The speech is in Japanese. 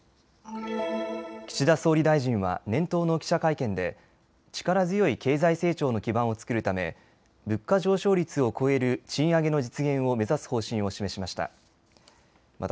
岸田総理大臣は年頭の記者会見で力強い経済成長の基盤を作るため物価上昇率を超える賃上げの実現を目指す方針を示しました。